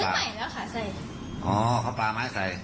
อ๋อเขาปลาไม้ใส่ใครเป็นคนปลากใส่รู้จักไม่รู้